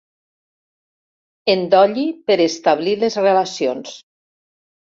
Endolli per establir les relacions.